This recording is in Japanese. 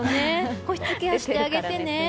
保湿ケアしてあげてね。